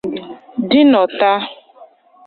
dị n'Ota